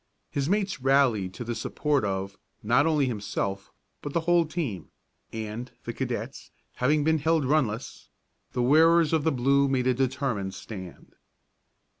His mates rallied to the support of, not only himself, but the whole team, and, the cadets, having been held runless, the wearers of the blue made a determined stand.